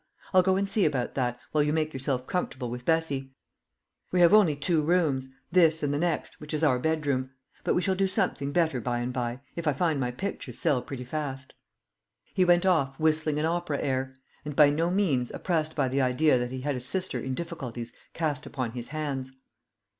I'll go and see about that, while you make yourself comfortable with Bessie. We have only two rooms this and the next, which is our bedroom; but we shall do something better by and by, if I find my pictures sell pretty fast." He went off whistling an opera air, and by no means oppressed by the idea that he had a sister in difficulties cast upon his hands.